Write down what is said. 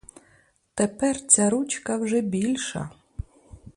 Тепер ця ручка вже більша.